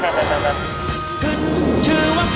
ขึ้นชื่อว่าเพจ